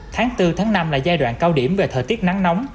tháng bốn tháng năm là giai đoạn cao điểm về thời tiết nắng nóng